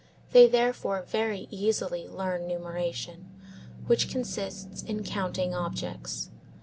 They therefore very easily learn numeration, which consists in counting objects.